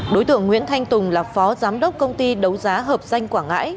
đối tượng nguyễn thanh tùng là phó giám đốc công ty đấu giá hợp danh quảng ngãi